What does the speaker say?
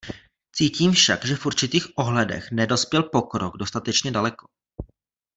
Cítím však, že v určitých ohledech nedospěl pokrok dostatečně daleko.